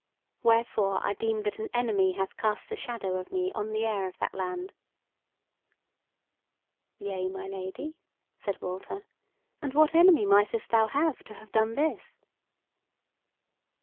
Wherefore, I deem that an enemy hath cast the shadow of me on the air of that land." "Yea, my Lady," said Walter; "and what enemy mightest thou have to have done this?"